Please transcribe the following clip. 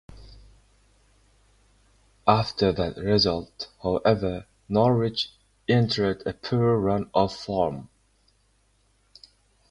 After that result, however, Norwich entered a poor run of form.